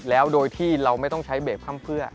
แล้วโดยที่เราไม่ต้องใช้เบรกค่ำเพื่อ